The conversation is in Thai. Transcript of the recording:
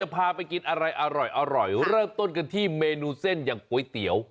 พาไปกินอะไรอร่อยเริ่มต้นกันที่เมนูเส้นอย่างก๋วยเตี๋ยว